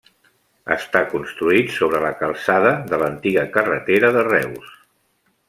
Està construït sobre la calçada de l'antiga carretera de Reus.